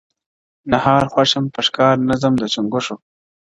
نهار خوښ یم په ښکار نه ځم د چنګښو,